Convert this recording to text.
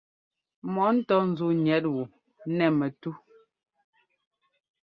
Mɔ́ ŋtɔ́ zǔu gniɛt wú nɛ̂ mɛtú.